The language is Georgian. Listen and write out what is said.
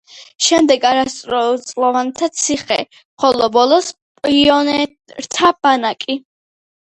შემდეგ არასრულწლოვანთა ციხე, ხოლო ბოლოს პიონერთა ბანაკი.